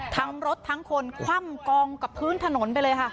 ทั้งรถทั้งคนคว่ำกองกับพื้นถนนไปเลยค่ะ